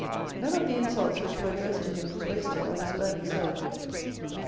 None of the insults which were addressed to him was wasted on his burning soul.